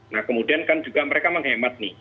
nah kemudian kan juga mereka menghemat nih